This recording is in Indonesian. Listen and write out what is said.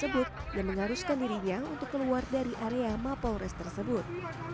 dan mengaruskan dirinya untuk keluar dari area mapol res tersebut